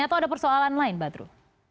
atau ada persoalan lain badru